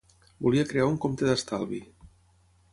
Volia crear un compte d'estalvi.